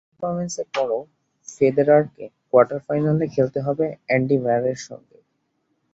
তবে, এমন পারফরম্যান্সের পরও ফেদেরারকে কোয়ার্টার ফাইনাল খেলতে হবে অ্যান্ডি মারের সঙ্গে।